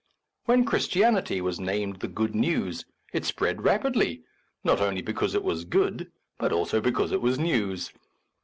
When Christianity was named the good news, it spread rapidly, not only because it was good, but also because it was news.